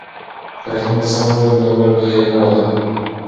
که رحیم غوسه نه وای نو ور به یې نه واهه.